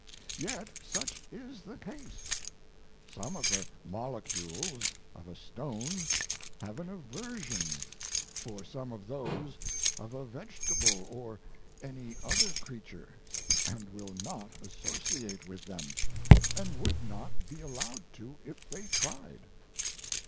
Yet such is the case. Some of the molecules of a stone have an aversion for some of those of a vegetable or any other creature and will not associate with them and would not be allowed to, if they tried.